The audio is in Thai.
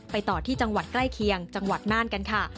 ต่อที่จังหวัดใกล้เคียงจังหวัดน่านกันค่ะ